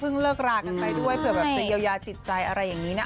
เลิกรากันไปด้วยเผื่อแบบจะเยียวยาจิตใจอะไรอย่างนี้นะ